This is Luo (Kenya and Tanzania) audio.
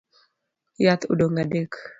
Yath odong’ adek